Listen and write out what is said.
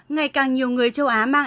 ngày càng nhiều người châu á mang